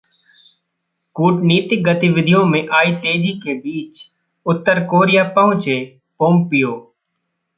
कूटनीतिक गतिविधियों में आई तेजी के बीच उत्तर कोरिया पहुंचे पोम्पिओ